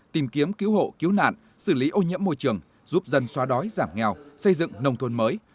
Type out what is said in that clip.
tìm kiếm cứu hộ cứu nạn xử lý ô nhiễm môi trường giúp dân xoa đói giảm nghèo xây dựng nông thôn mới